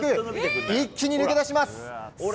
一気に抜け出します。